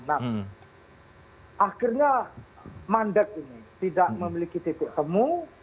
nah akhirnya mandek ini tidak memiliki titik temu